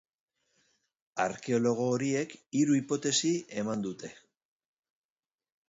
Arkeologo horiek hiru hipotesi eman dute.